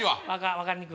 分かりにくい。